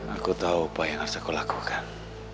aku tahu apa yang harus aku lakukan